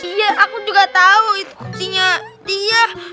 iya aku juga tahu itu kuncinya dia